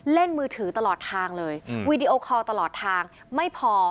มือถือตลอดทางเลยวีดีโอคอลตลอดทางไม่พอ